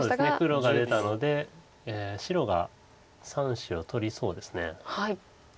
黒が出たので白が３子を取りそうです。